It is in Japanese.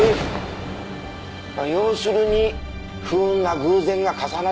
まあ要するに不運な偶然が重なった事故。